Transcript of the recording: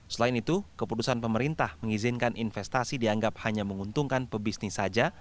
selain itu keputusan pemerintah mengizinkan investasi dianggap hanya menguntungkan pebisnis saja